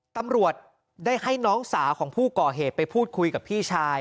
ตำรวจได้ให้น้องสาวของผู้ก่อเหตุไปพูดคุยกับพี่ชาย